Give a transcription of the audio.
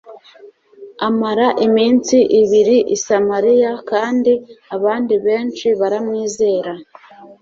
Amara iminsi ibiri i Samariya, kandi abandi benshi baramwizera.